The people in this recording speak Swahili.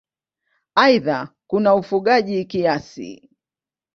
Aidha kuna ufugaji kiasi.